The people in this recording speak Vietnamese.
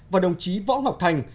và đồng chí võ ngọc thành